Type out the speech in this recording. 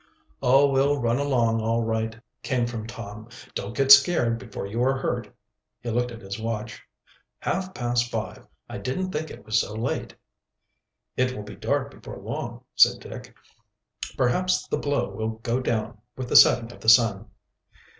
"Oh! we'll run along all right," came from Tom. "Don't get scared before you are hurt." He looked at his watch. "Half past five! I didn't think it was so late." "It will be dark before long," said Dick. "Perhaps the blow will go down with the setting of the sun."